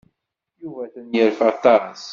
Yuba atan yerfa aṭas.